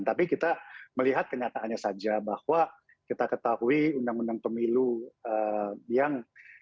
tapi kita melihat kenyataannya saja bahwa kita ketahui undang undang pemilu yang